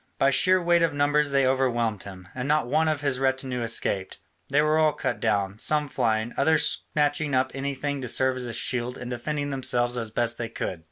By sheer weight of numbers they overwhelmed him: and not one of his retinue escaped, they were all cut down, some flying, others snatching up anything to serve as a shield and defending themselves as best they could.